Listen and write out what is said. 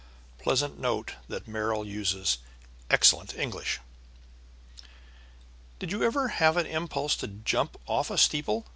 Pleasant to note that Merrill uses excellent English. "Did you ever have an impulse to jump off a steeple?"